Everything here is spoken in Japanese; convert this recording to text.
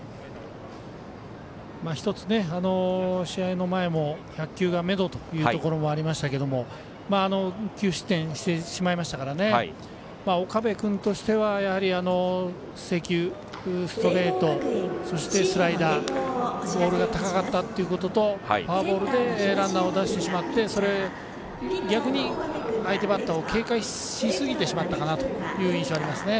１つ、試合の前も１００球がめどというところもありましたけども９失点してしまいましたから岡部君としては、やはり制球ストレート、そしてスライダーボールが高かったということとフォアボールでランナーを出してしまって逆に相手バッターを警戒しすぎてしまったかなという印象がありますね。